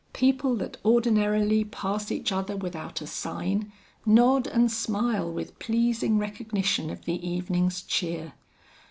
People that ordinarily pass each other without a sign, nod and smile with pleasing recognition of the evening's cheer.